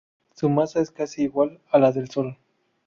Su masa es casi igual a la del Sol.